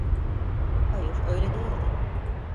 Hayır, öyle değildi.